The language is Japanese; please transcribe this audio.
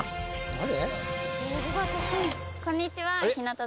誰？